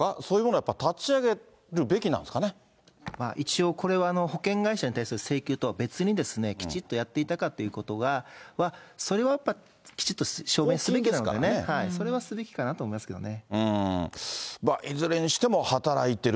やっぱり立ち上げる一応、これは保険会社に対する請求とは別にですね、きちっとやっていたかということは、それはやっぱりきちっと証明すべきなんでね、それはすべきかなと思いますけどね。